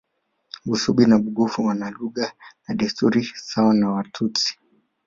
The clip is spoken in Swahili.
Busubi na Bugufi wana lugha na desturi sawa na Watusi